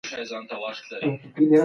جراحي لومړی انتخاب نه دی.